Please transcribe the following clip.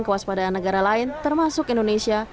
kewaspadaan negara lain termasuk indonesia